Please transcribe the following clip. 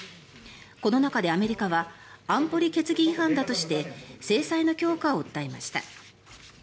この中でアメリカは安保理決議違反だとして制裁の強化を訴えました。